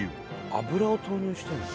油を投入してるんだ。